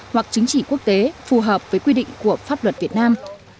hoặc chính trị quốc tế phù hợp với quy định của pháp luật việt nam